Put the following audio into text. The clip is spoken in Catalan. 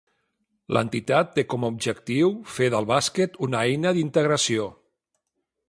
L'entitat té com a objectiu fer del bàsquet una eina d'integració.